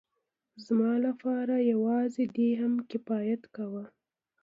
زما لپاره يوازې دې هم کفايت کاوه.